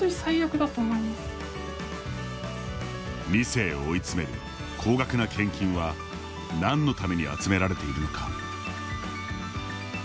２世を追い詰める高額な献金は何のために集められているのか。